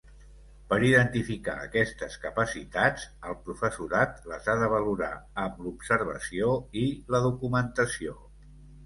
Per identificar aquestes capacitats, el professorat les ha de valorar amb l'observació i la documentació.